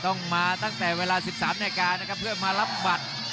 ต้องมาตั้งแต่เวลา๑๓นาฬิกานะครับเพื่อมารับบัตร